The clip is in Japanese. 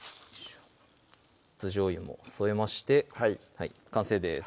酢じょうゆも添えまして完成です